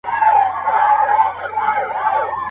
كه راتلل به يې دربار ته فريادونه.